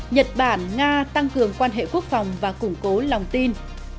nhật bản nga tăng cường quan hệ quốc phòng và củng cố lòng tin